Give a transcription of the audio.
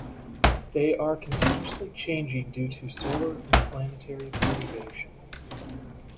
They are continuously changing due to solar and planetary perturbations.